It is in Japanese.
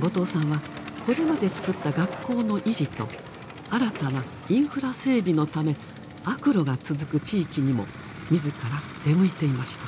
後藤さんはこれまでつくった学校の維持と新たなインフラ整備のため悪路が続く地域にも自ら出向いていました。